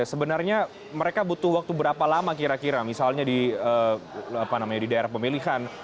sebenarnya mereka butuh waktu berapa lama kira kira misalnya di daerah pemilihan